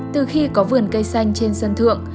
từ khi có vườn cây xanh trên sân thượng